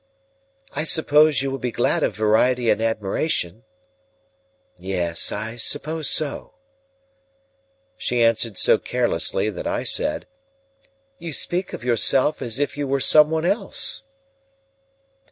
"I suppose you will be glad of variety and admiration?" "Yes, I suppose so." She answered so carelessly, that I said, "You speak of yourself as if you were some one else."